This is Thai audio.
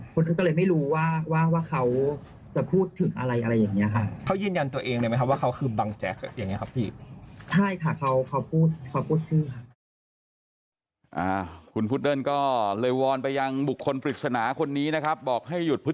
ภูเดิ้ลก็เลยไม่รู้ว่าเขาจะพูดถึงอะไรอะไรอย่างนี้ค่ะ